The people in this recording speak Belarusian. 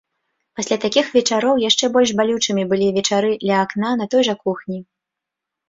Пасля такіх вечароў яшчэ больш балючымі былі вечары ля вакна на той жа кухні.